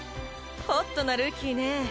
ホットなルーキーね。